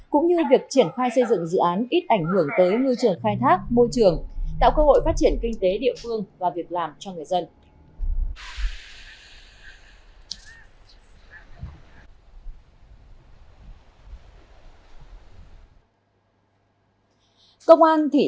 cũng như việc triển khai xây dựng dự án ít ảnh hưởng tới ngư trường khai thác môi trường tạo cơ hội phát triển kinh tế địa phương và việc làm cho người dân